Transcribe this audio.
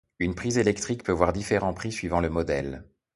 une prise électrique peut voir différents prix suivant le modèle